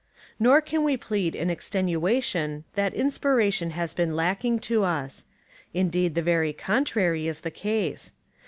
Nor can we plead in extenuation that inspira tion has been lacking to us. Indeed the very contrary is the case.